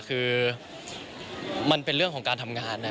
คือมันเป็นเรื่องของการทำงานนะ